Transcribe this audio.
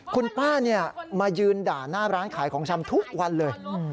คุณป้ามายืนด่าหน้าร้านขายของชำทุกวันเลย